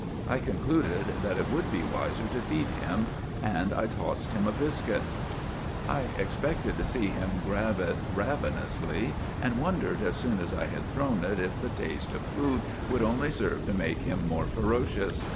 I concluded that it would be wiser to feed him, and I tossed him a biscuit. 1 6 GULLIVER THE GREAT " I expected to see him grab it ravenously, and wondered as soon as I had thrown it if the taste of food would only serve to make him more ferocious.